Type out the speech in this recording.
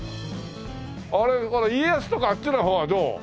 あれ家康とかあっちの方はどう？